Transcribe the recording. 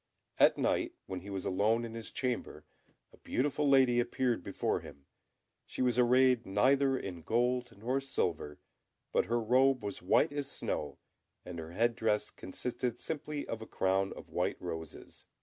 At night, when he was alone in his chamber, a beautiful lady appeared before him; she was arrayed neither in gold nor in silver, but her robe was white as snow, and her head dress consisted simply of a crown of white roses.